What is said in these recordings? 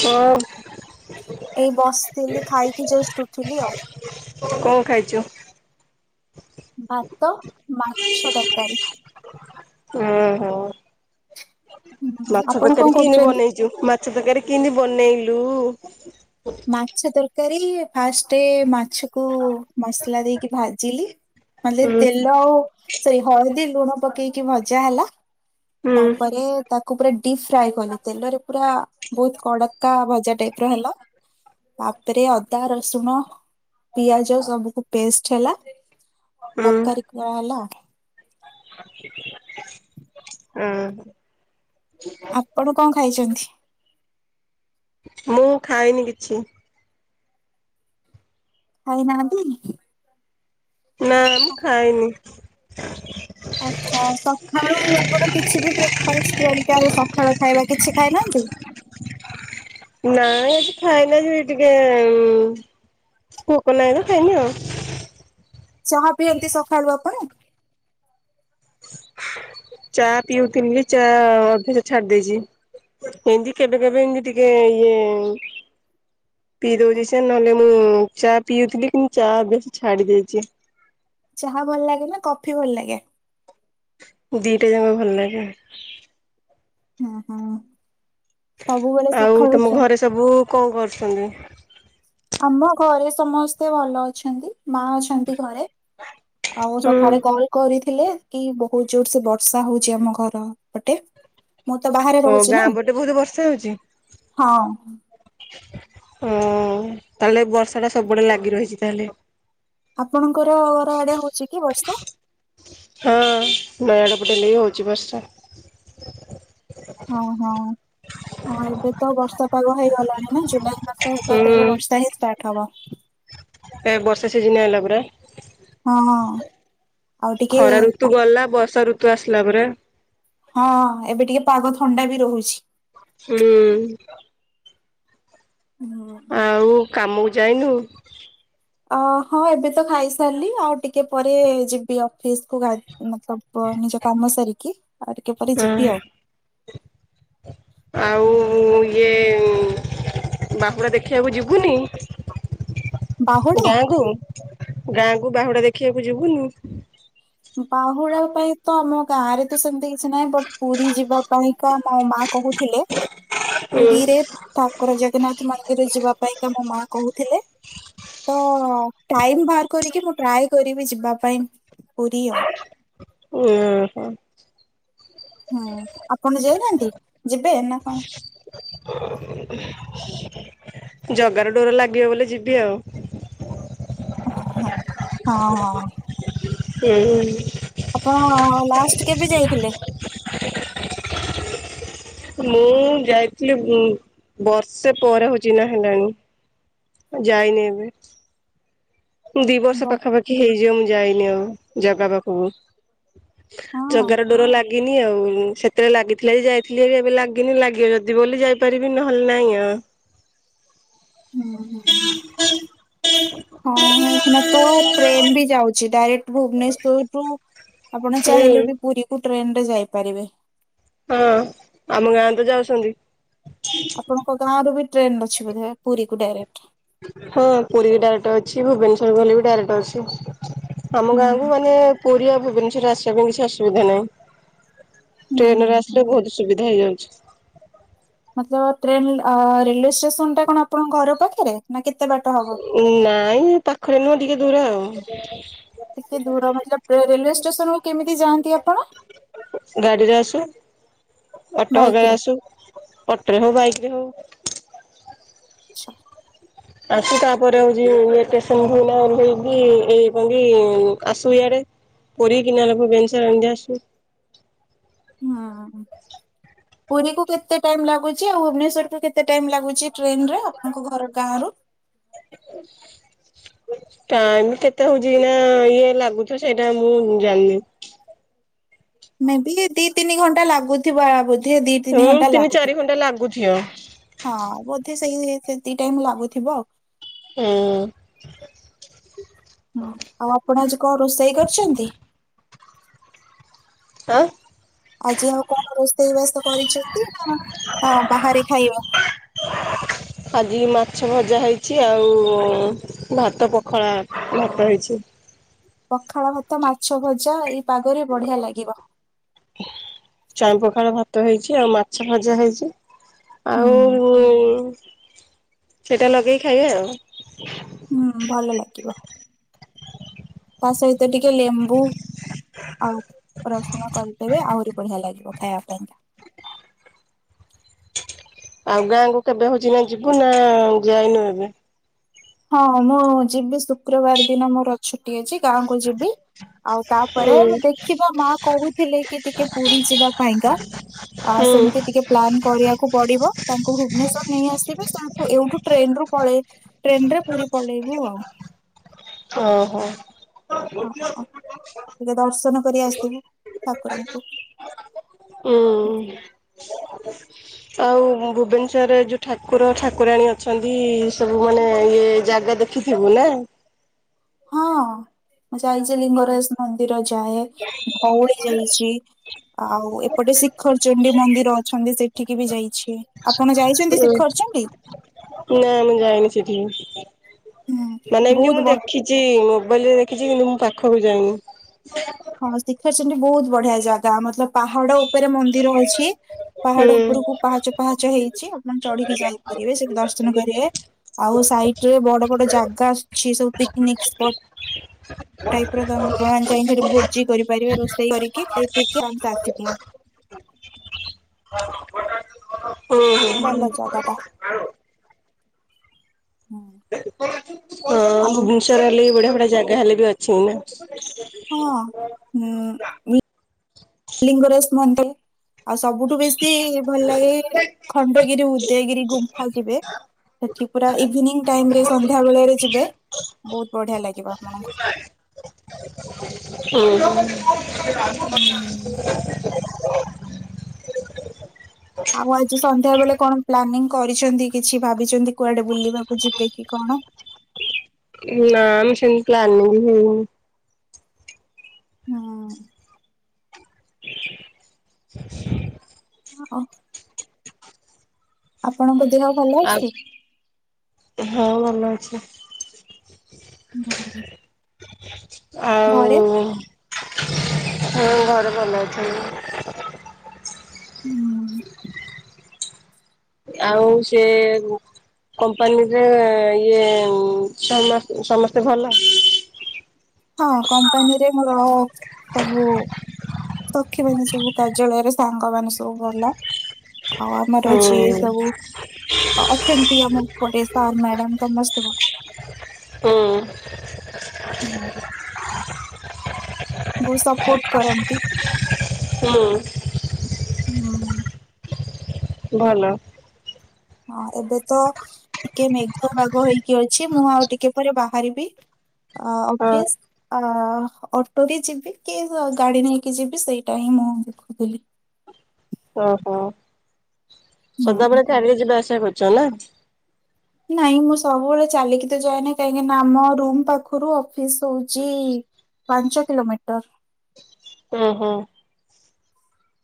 ହଁ ଏଇ ବସଥିଲି ଖାଇକି ଜଷ୍ଟ୍ ଉଠିଲି ଆଉ କଣ ଖାଇଛୁ? ଭାତ ମାଛ ଦରକାରୀ। ହୁଁ ହୁଁ। ହୁଁ ମାଛ ଆପଣ କଣ ତରକାରୀ କିନ୍ଦି କରୁଛନ୍ତି? ବନେଇଛୁ ମାଛ ତରକାରୀ କିନ୍ଦି ବନେଇଲୁ? ମାଛ ତରକାରୀ ଫାଷ୍ଟେ ମାଛ କୁ ମସଲା ଦେଇକି ଭାଜିଲି ନ ହେଲେ ହୁଁ ତେ ଲୋ ସେ ହଳଦୀ ଲୁଣ ପକେଇକି ଭଜା ହେଲା ହୁଁ ତାପରେ ତ କୁ ପୁରା ଡିପ୍ ଫ୍ରାଏ କଲି ତେଲରେ ପୁରା ବହୁତ କଡକା ଭଜା ଟାଇପ ର ହେଲା। ତାପରେ ଅଦା ରସୁଣ ପିଆଜ ସବୁକୁ ପେଷ୍ଟ ହେଲା। ହୁଁ ତରକାରୀ କରା ହେଲା। ଉଁ ହୁଁ। ଆପଣ କଣ ଖାଇଛନ୍ତି? ମୁଁ ଖାଇନି କିଛି। ଖାଇନାହାନ୍ତି। ନା ମୁଁ ଖାଇନି। ଅଛା ସଖାଳୁ ଆପଣ କିଛି ବି ବ୍ରେକ୍ଫାଷ୍ଟ [unintelligible] ଆଉ ସଖାଳ ଖାଇବା କିଛି ଖାଇନାହାନ୍ତି। ନାଇ ଆଜି ଖାଇନି ଆଜି ଟିକେ ଉଂ କୋକ ନାହିଁତ ଖାଇନି ଆଉ। ଚାହା ପିଅନ୍ତି ସଖାଳୁ ଆପଣ? ଚା ପିଉଥିଲି ଚା ଅଧିକ ଛାଡି ଦେଇଛି। ଏମତି କେବେ କେବେ ଇନ୍ଦି ଟିକେ ଇଏ ପିଇ ଆ- ଦଉଛି ସେ ନହେଲେ ମୁଁ ଚା ପିଉଥିଲି କି ମୁ ଚା ଅଭ୍ୟାସ ଛାଡି ଦେଇଛି। ଚାହା ଭଲ ଲାଗେ ନା କଫି ଭଲ ଲାଗେ? ଦିଇଟା ଯାକ ଭଲ ଲାଗେ। ହଁ ହଁ ସବୁବେଳେ ସଖାଳୁ ଚା ତ ବଉ କଣ କରୁଛନ୍ତି? ଆମ ଘରେ ସମସ୍ତେ ଭଲ ଅଛନ୍ତି ମା ଅଛନ୍ତି ଘରେ। ଆଉ ସଖାଳେ ହୁଁ। କଲ୍ କରିଥିଲେ କି ବହୁତ ଜୋର ସେ ବର୍ଷା ହଉଛି ଆମ ଘର। ପଟେ ମୁଁ ତ ବାହାରେ ଓ ରହୁଛି ଗାଁ ନା ପଟେ ବହୁତ ବର୍ଷା ହଁ। ହୁଁ ତାହେଲେ ବର୍ଷା ଟା ସବୁବେଳେ ଲାଗି ରହିଛି ତାହେଲେ। ଆପଣଙ୍କର ଘର ଆଡେ ହଉଛି କି ବର୍ଷା? ହଁ ନୟାଡ଼ ପଟେ ବି ହଉଛି ବର୍ଷା। ଓ ହଁ ଆ ଏବେ ତ ବର୍ଷା ପାଗ ହେଇଗଲାଣି ନା ଜୁଲାଇ ମାସ ହେଲା ତ ହୁଁ ଏବେ ବର୍ଷା ହିଁ ଷ୍ଟାର୍ଟ ହବା। ଏ ବର୍ଷା ସିଜିନ ଆଇଲା ପରା। ହଁ ଆଉ ଟିକେ ଖରା ପା- ଋତୁ ଗଲା ବର୍ଷା ଋତୁ ଆସିଲା ପରା। ହଁ ଏବେ ଟିକେ ପାଗ ଥଣ୍ଡା ବି ରହୁଛି। ହୁଁ। ହୁଁ। ଆଉ କାମକୁ ଯାଇନୁ। ଅ ହଁ ଏବେ ତ ଖାଇସାରିଲି ଆଉ ଟିକେ ପରେ ଯିବି ଅଫିସ କୁ ଗା ମତଲବ୍ ବ ନିଜ କାମ ସାରି କି। ହୁଁ ଆଉ ଇଏ ଉଁ ବାହୁଡ଼ା ଦେଖିବାକୁ ଯିବୁନି? ବାହୁଡା ଗାଁ କୁ ଗାଁ କୁ ବାହୁଡା ଦେଖିବାକୁ ଯିବୁନି? ବାହୁଡା ପାଇଁ ତ ଆମ ଗାଁ ରେ ତ ସେମତି କିଛି ନାହିଁ ବଟ୍ ପୁରୀ ଯିବା ପାଇଁକା ମୋ ମା କହୁଥିଲେ। ହୁଁ। ପୁରୀରେ ତାଙ୍କର ଜଗନ୍ନାଥ ମନ୍ଦିର ଯିବା ପାଇଁକା ମୋ ମା କହୁଥିଲେ। ତ ଟାଇମ୍ ବାହାର କରିକି ମୁଁ ଟ୍ରାଏ କରିବି ଯିବା ପାଇଁ। ପୁରୀ ଆଉ। ଓଁ ହୋ। ହୁଁ ଆପଣ ଯାଇନାହାଁନ୍ତି ଯିବେ ନା କଣ? [inaudible] ଜଗାର ଡୋର ଲାଗିବ ବୋଲି ଯିବି ଆଉ। [unintelligible] ହଁ ହଁ। ହୁଁ ହୁଁ। ଆପଣ ଲାଷ୍ଟ୍ କେବେ ଯାଇଥିଲେ? ମୁଁ ଯାଇଥିଲି ଉଁ ବର୍ଷେ ପରେ ହଉଛି ନା ହେଲାଣି। ଯାଇନି ଏବେ। ଦି ବର୍ଷ ବଟ୍ ପାଖାପାଖି ହେଇଯିବ ମୁଁ ଯାଇନି ଆଉ ଜଗା ପାଖକୁ। ହଁ। ଜଗାର ଡୋର ଲାଗିନି ଆଉ। ସେତେବେଳେ ଲାଗିଥିଲା ଯେ ଯାଇଥିଲି ହାରି ଏବେ ଲାଗିନି ଲାଗିବ ଯଦି ବୋଲି ଯାଇ କରିବି ନହେଲେ ନାଇଁ ଆଉ। ଉଁ ହୁଁ। ହଁ ହେଇକିନା ତ ଟ୍ରେନ୍ ବି ଯାଉଛି। ଡାଇରେକ୍ଟ ଭୁବନେଶ୍ଵରରୁ ଆପଣ ହୁଁ ଚାହିଁଲେ ବି ପୁରୀକୁ ଟ୍ରେନରେ ଯାଇପାରିବେ। ହଁ ଆମ ଗାଁ ତ ଯାଉଛନ୍ତି। ଆପଣଙ୍କ ଗାଁରୁ ବି ଟ୍ରେନ୍ ଅଛି ବୋଧେ ପୁରୀକୁ ଡାଇରେକ୍ଟ। ହୁଁ ପୁରୀକୁ ଡାଇରେକ୍ଟ ଅଛି। ଭୁବନେଶ୍ଵର ଗଲେ ବି ଡାଇରେକ୍ଟ ଅଛି। ଆମ ହୁଁ ଗାଁକୁ ମାନେ ପୁରୀ ଆଉ ଭୁବନେଶ୍ବର ଆସିବା ପାଇଁ କିଛି ଅସୁବିଧା ନାହିଁ। ହୁଁ ହୁଁ ଟ୍ରେନରେ ହୁଁ। ଆସିଲେ ବହୁତ ସୁବିଧା ହେଇଯାଉଛି। ମାତ୍ର ଟ୍ରେନ୍ ଆ ରେଲୱେ ଷ୍ଟେସନ ଟା କଣ ଆପଣଙ୍କ ଘର ପାଖେରେ ନା କେତେ ବାଟ ହବ? ନାଇଁ ପାଖରେ ନୁହଁ ଟିକେ ଦୂର ଆଉ। ଟିକେ ଦୂର ମତଲଭ୍ ରେଲୱେ ଷ୍ଟେସନକୁୁ କେମିତି ଯାଆନ୍ତି ଆପଣ? ଗାଡିରେ ଆସୁ। ଅଟୋ ହଗାରେ ବାଇକରେ ଆସୁ। ଅଟୋରେ ହଉ ବାଇକ୍ ରେ ହଉ। ଛା। ଆସୁ ତାପରେ ହଉଛି ଏ ଟେସନରୁ ନା ଓହ୍ଲେଇକି ଏଇ କଣ ତି ଆସୁ ଇଆଡେ। ପୁରୀ କି ନହେଲେ ଭୁବନେଶ୍ୱର ଏମିତି ଆସୁ। ହଁ। [inaudible] ପୁରୀକୁ କେତେ ଟାଇମ୍ ଲାଗୁଛି? ଆଉ ଭୁବନେଶ୍ୱରଠୁ କେତେ ଟାଇମ୍ ଲାଗୁଛି ଟ୍ରେନରେ ଆପଣଙ୍କ ଘର ଗାଁରୁ? [unintelligible] ଟାଇମ୍ କେତେ ହଉଛି କିନା ଇଏ ଲାଗୁଥିବ ସେଇଟା ମୁଁ ଜାନନି। ମେ ବି ଏଇ ଦି ତିନି ଘଣ୍ଟା ଲାଗୁଥିବ ବୋଧେ? ଦି ତିନି ହୁଁ ଘଣ୍ଟା ଚାରି ଲାଗୁଥି ଘଣ୍ଟା ଲାଗୁଥିବ ହଁ ବୋଧେ ସେଇ ସେତିକି ଟାଇମ୍ ଲାଗୁଥିବ ଆଉ। ହୁଁ। ଆଉ ଆପଣ ଆଜି କଣ ରୋଷେଇ କରିଛନ୍ତି? ଆଁ। ଆଜି ଆଉ କଣ ରୋଷେଇ ବାସ କରିଛନ୍ତି ନା? ହଁ ବାହାରେ ଖାଇବା। ଆଜି ମାଛ ଭଜା ହେଇଛି ଆଉ ଭାତ ପଖଳା ଭାତ ହେଇଛି। ପଖାଳ ଭାତ ମାଛ ଭଜା ଏଇ ପାଗରେ ବଢିଆ ଲାଗିବ। ଚାଇଁପଖାଳ ଭାତ ହେଇଛି ଆଉ ମାଛ ଭଜା ହେଇଛି। ହୁଁ ଆଉ ସେଇଟା ଲଗେଇ ଖାଇବା ଆଉ। ହୁଁ ଭଲ ଲାଗିବ। ତା ସହିତ ଟିକେ ଲେମ୍ବୁ ଆଉ ରସୁଣ କରିଦେବେ ଆହୁରି ବଢିଆ ଲାଗିବ ଖାଇବା ପାଇଁ କା। ଆଉ ଗାଁକୁ କେବେ ହେଉଛି ନା ଯିବୁ ନା ଯାଇନୁ ଏବୁ? ହଁ ମୁଁ ଯିବି ଶୁକ୍ରବାର ଦିନ ମୋର ଛୁଟି ଅଛି ଗାଁକୁ ଯିବି। ଆଉ ହୁଁ ତାପରେ ଆମେ ଦେଖିବା ମା କହୁଥିଲେ କି ଟିକେ ପୁରୀ ଯିବା ପାଇଁକା। ଆ ହୁଁ ସେମିତି ଟିକେ ପ୍ଲାନ୍ କରିବାକୁ ପଡିବ ତାଙ୍କୁ ଭୁବନେଶ୍ର ନେଇ ଆସିବି ସେଠୁ ଏଇଠୁ ଟ୍ରେନ ରୁ ପଳେଇ ଟ୍ରେନ ରେ ପୁରୀ ପଳେଇବୁ ଆଉ। ଓହୋ। [unintelligible] ହଁ ଟିକେ ଦର୍ଶନ କରି ଆସିବୁ ଠାକୁରଙ୍କୁ। ଉଁ। ଆଉ ଭୁବନେଶ୍ଵରରେ ଯୋଉ ଠାକୁର ଠାକୁରାଣୀ ଅଛନ୍ତି ସବୁ ମାନେ ଇଏ ଜାଗା ଦେଖ ତୁ ଥିବୁନା। ହଁ ମୁଁ ଯାଇଛି ଲିଙ୍ଗରାଜ ମନ୍ଦିର ଯାଏ ଭଉଳି ଯାଇଛି। ଆଉ ଏପଟେ ଶିଖର ଚଣ୍ଡୀ ମନ୍ଦିର ଅଛନ୍ତି ସେଠିକି ବି ଯାଇଛି। ଆପଣ ଯାଇଛନ୍ତି ଶିଖରଚଣ୍ଡି। ନା ମୁଁ ଯାଇନି ସେଠିକି ମାନେ ହୁଁ ଏମିତି ବହୁତ ମୁଁ ବ ଦେଖିଛି ଚି ମୋବାଇଲରେ ଦେଖିଛି କିନ୍ତୁ ମୁଁ ପାଖକୁ ଯାଇନି। ହଁ ଶିଖରଚଣ୍ଡୀ ବହୁତ ବଢିଆ ଜାଗା ମତଲ ପାହାଡ ଉପରେ ମନ୍ଦିର ଅଛି ହୁଁ ପାହାଡ ଉପରକୁ ପାହାଚ ପାହାଚ ହେଇଛି ଆପଣ ଚଢିକି ଯାଇପାରିବେ ସେଠି ଦର୍ଶନ କରିବେ ଆଉ ସାଇଟ ରେ ବଡ ବଡ ଜାଗା ଆସୁଛି ସବୁ ପିକ୍ନିକ ସ୍ପଟ ଟାଇପ୍ ର [unintelligible] ପ୍ରଣ ଚାଥିଲ ବହୁତ ଜି କରିପାରିବେ ରୋଷେଇ କରିକି ଖାଇ ପିଇକି [unintelligible] ଆସିଥିବେ। ହୁଁ। କ କଟାଟା। ହଁ ଆଉ ଭୁବନେଶର ହେଲେ ବଢିଆ ବଢିଆ ଜାଗା ହେଲେ ବି ଅଛି ନା। ହଁ ହୁଁ। ଲିଙ୍ଗରାଜ ମନ୍ଦର ଆଉ ସବୁଠୁ ବେଶୀ ଶୀ ଭଲ ଲାଗେ ଖଣ୍ଡଗିରି ଉଦୟଗିରି ଗୁମ୍ଫା ଯିବେ ସେଠି ପୁରା ଇଭିନିଂ ଟାଇମ ରେ ସନ୍ଧ୍ୟା ବେଳରେ ଯିବେ ବହୁତ ବଢିଆ ଲାଗିବ ଆପଣଙ୍କୁ। ହୁଁ। ହୁଁ। ଆଉ ଆଜି ସନ୍ଧ୍ୟା ବେଳେ କଣ ପ୍ଲାନିଂ କରିଛନ୍ତି କିଛି ଭାବିଛନ୍ତି କୁଆଡେ ବୁଲିବାକୁ ଯିବେ କି କଣ। ଏ ନା ମ ସେ ମ୍ ପ୍ଲାନଙ୍ଗି ହେଇନି। ହଁ। [inaudible] ହଁ ହ। ଆପଣଙ୍କ ଦେହ ଭଲ ଅଛି? ଆଉ ହଁଉ ଭଲ ଅଛି ଘରେ ଆଉ ଆଉ ଘରେ ଭଲ ଅଛନ୍ତି। ହୁଁ ଆଉ ସେ କମ୍ପାନୀରେ ଇଏ ଉ ସମସ୍ତ ସମସ୍ତେ ଭଲ ହଁ କମ୍ପାନୀରେ ମୋର ସବୁ ସକ୍ଷୀ ମାନେ ସବୁ କାର୍ଯ୍ୟାଳୟରେ ସାଙ୍ଗମାନେ ସବୁ ଗଲା ଆଉ ଆମର ହୁଁ ଝିଏ ସବୁ ଅଛନ୍ତି ଆମ ଉପରେ ସାର୍ ମ୍ୟାଡାମ ସମସ୍ତେ ହଁ ହୁଁ [unintelligible] ବହୁତ୍ ସପୋର୍ଟ କରନ୍ତି ହୁଁ ହୁଁ। ଭଲ ହଁ ଏବେ ତ ଟିକେ ମେଘୁଆ ବାଗ ହେଇକି ଅଛି ମୁଁ ଆଉ ଟିକେ ପରେ ବାହାରିବି ଆ ହଁ -ଅଫିସ୍। ଅ ଅଟୋ ରେ ଯିବି କି ଗାଡି ନେଇକି ଯିବି ସେଇଟା ହିଁ ମୁଁ ଦେଖୁଥିଲି। ଓହୋ। ହୁଁ ସଦାବେଳେ ଛାଡିରେ ଯିବା ଆସିବା କରୁଛ ନା। ନାଇଁ ମୁଁ ସବୁବେଳେ ଚାଲିକି ତ ଯାଏନି କାହିଁକି ନା ଆମ ରୁମ୍ ପାଖରୁ ଅଫ୍ ଫିସ୍ ହଉଛି ପାଞ୍ଚ କିଲୋମିଟର। ଓ ହୋ।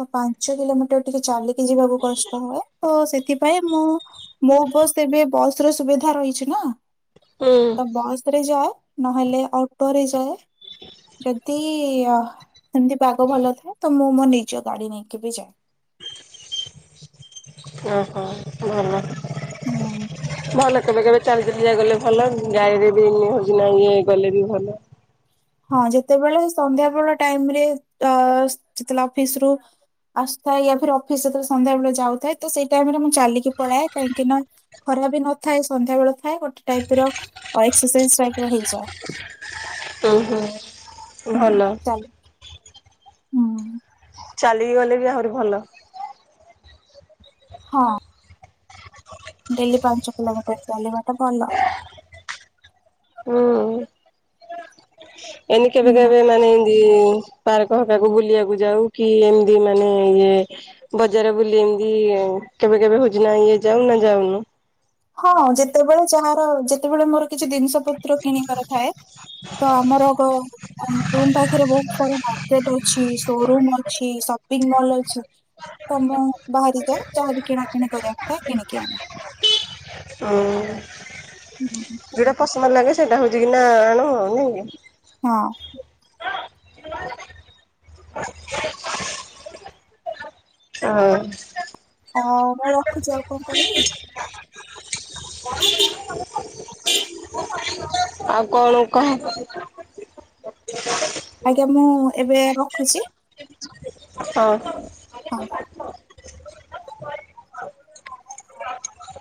ତ ପାଞ୍ଚ କିଲୋମିଟର ଟିକେ ଚାଲିକି ଯିବାକୁ କଷ୍ଟ ହୁଏ ତ ସେଥିପାଇଁ ମୁଁ ମୋ ବସ୍ ଏବେ ବସ୍ ର ସୁବିଧା ରହିଛି ନା। ହୁଁ। ତ ବସ୍ ରେ ଯାଏ ନହେଲେ ଅଟୋରେ ଯାଏ ଯଦି ଅ ସେମତି ପାଗ ଭଲ ଥାଏ ତ ମୁଁ ମୋ ନିଜ ଗାଡି ନେଇକି ବି ଯାଏ। ଓହୋ ଭଲ। ହୁଁ। ଭଲ କେବେ କେବେ ଚାଲି ଚାଲି ଆ ଗଲେ ଭଲ ଗାଈରେ ବି ଏମିତି ହଉଛି ନା ଇଏ ଗଲେ ବି ଭଲ। ହଁ ଯେତେବେଳେ ସନ୍ଧ୍ୟା ବେଳ ଟାଇମ୍ ରେ ଅ ଯେତେବେଳେ ଅଫିସ ରୁ ଆସୁଥାଏ ୟା ଫିର୍ ଅଫିସ୍ ଯେତେବେଳେ ସନ୍ଧ୍ୟାବେେଳେ ଯାଉଥାଏ ତ ସେଇ ଟାଇମ୍ ରେ ମୁଁ ଚାଲିକି ପଳାଏ କାହିଁକି ନା ଖରା ବି ନଥାଏ ସନ୍ଧ୍ୟା ବେଳ ଥାଏ ଗୋଟେ ଟାଇପ୍ ର ଅ ଏକ୍ସରସାଇଜ୍ ଟାଇପ୍ ର ହେଇଯାଏ। ଓ ହୋ! ହୁଁ ଭଲ। ଚାଲେ ହୁଁ ଚାଲିକି ଗଲେ ବି ଆହୁରି ଭଲ। ହଁ। ଡେଲି ପାଞ୍ଚ କିଲୋମିଟର୍ ଚାଲିବାଟା ଭଲ। ହୁଁ। ଏନି କେବେ ହୁଁ। କେବେ ମାନେ ଏନ୍ନ୍ଦି ପାର୍କ ହକାକୁ ବୁଲିଆକୁ ଯାଉ କି ଏମତି ମାନେ ଇଏ ବଜାର ବୁଲି ଏମିତି କେବେ କେବେ ହଜୁନା ଇଏ ଯାଉ ନା ଯାଉନୁ? ହଁ ଯେତେବେଳେ ଯାହାର ଯେତେବେଳେ ମୋର କିଛି ଦିନିଷ ପତ୍ର କିଣିବାର ଥାଏ ତ ଆମର ଗୋ ଆମ ରୁମ୍ ପାଖରେ ବହୁତ ସାରା ମାର୍କେଟ୍ ଅଛି ସୋରୁମ୍ ଅଛି ସପିଂ ମଲ୍ ଅଛି। [unintelligible] ତ ମୁଁ ବାହାରି ଯାଏ ଯାହା ବି କିଣାକିିଣି କରିବାକୁ ଥାଏ କିଣିକି ଆଣେ। ଉଁ [unintelligible] ଯୋଉଟା ପସନ୍ଦ ଲାଗେ ସେଇଟା ହଉଛି କିି ନା ଆଣୁ ଆଉ ନାଇଁ କି ହଁ। [unintelligible] ଅ ମୁଁ ରଖୁଚି ଆଉ କଣ କହିବେ ଇ? [unintelligible] ଆଉ କଣ କହ? ଆଜ୍ଞା, ମୁଁ ଏବେ ରଖୁଚି। [unintelligible] ହଉ ହଁ [unintelligible]